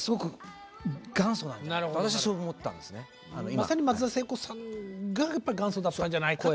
まさに松田聖子さんが元祖だったんじゃないかという。